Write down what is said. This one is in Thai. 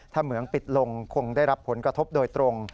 ถ้าเหมืองปิดลงคงได้รับผลกระทบโดยตรง